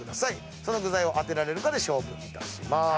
その具材を当てられるかで勝負いたします。